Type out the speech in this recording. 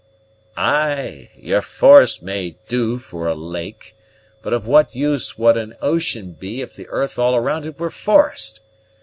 "Ay, your forest may do for a lake; but of what use would an ocean be if the earth all around it were forest?